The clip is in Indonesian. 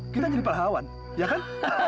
kita jadi pahlawan ya kan